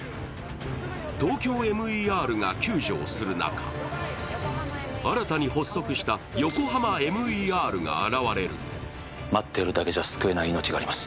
ＴＯＫＹＯＭＥＲが救助をする中、新たに発足したＹＯＫＯＨＡＭＡＭＥＲが現れ待ってるだけじゃ救えない命があります。